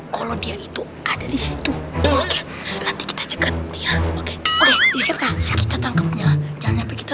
kalau dia itu ada di situ kita ceket ya oke kita tangkapnya jangan sampai kita